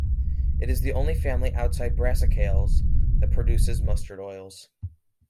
It is the only family outside Brassicales that produces mustard oils.